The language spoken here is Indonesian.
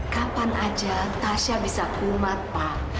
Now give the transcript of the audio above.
kapan aja tasya bisa kuat pak